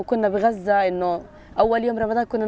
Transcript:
kita mulai membeli makanan